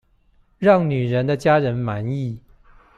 讓女人的家人滿意